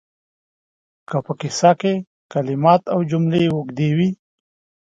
که په کیسه کې کلمات او جملې اوږدې وي